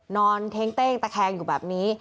นอนเท้งตะแคงอยู่แบบนี้